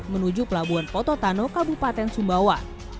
menuju pelabuhan pototano kabupaten sumbawa